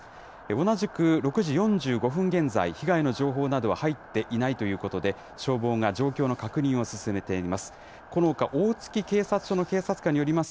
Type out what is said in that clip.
同じく６時４５分現在、被害の情報などは入っていないということで、消防が状況の確認を進めています。